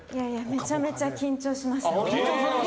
めちゃめちゃ緊張しました。